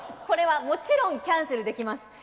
これはもちろんキャンセルできます。